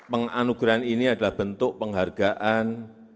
penganugerahan ini adalah bentuk penghargaan